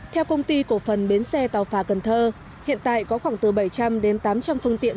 theo công ty cổ phần bến xe tàu phà cần thơ hiện tại có khoảng từ bảy trăm linh đến tám trăm linh phương tiện